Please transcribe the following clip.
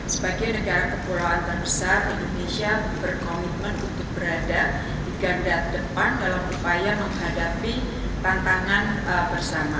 sebagai negara kepulauan terbesar indonesia berkomitmen untuk berada di ganda depan dalam upaya menghadapi tantangan bersama